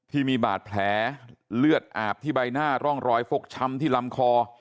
ที่มีบาดแผลเลือดอาบที่ใบหน้าร่องรอยฟกช้ำที่ลำคอ